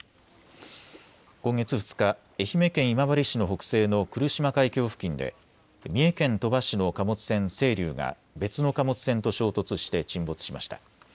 今月２日、愛媛県今治市の北西の来島海峡付近で三重県鳥羽市の貨物船せいりゅうが別の貨物船と衝突して沈没しました。